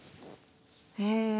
へえ。